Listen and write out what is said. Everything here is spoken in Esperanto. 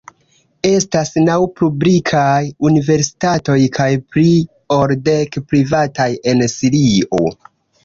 Estas naŭ publikaj universitatoj kaj pli ol dek privataj en Sirio.